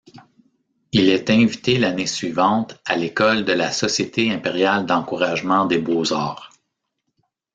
Il est invité l'année suivante à l'école de la Société impériale d'encouragement des beaux-arts.